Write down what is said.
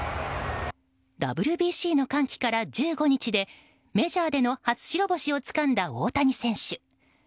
ＷＢＣの歓喜から１５日でメジャーでの初白星をつかんだ大谷選手。